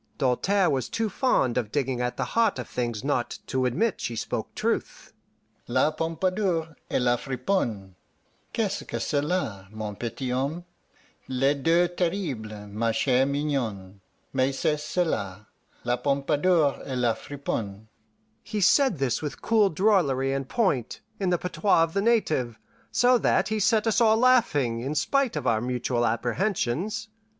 Doltaire was too fond of digging at the heart of things not to admit she spoke truth. "La Pompadour et La Friponne! Qu'est que cela, mon petit homme?" "Les deux terribles, ma chere mignonne, Mais, c'est cela La Pompadour et La Friponne!" He said this with cool drollery and point, in the patois of the native, so that he set us all laughing, in spite of our mutual apprehensions.